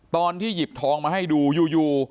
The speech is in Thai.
ตอนที่หยิบทองมาให้ดูอยู่